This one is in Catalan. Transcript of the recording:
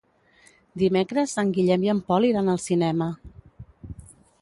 Dimecres en Guillem i en Pol iran al cinema.